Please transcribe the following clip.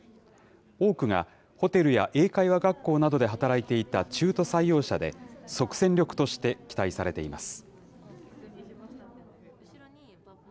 多くがホテルや英会話学校などで働いていた中途採用者で、即戦力として期待されています。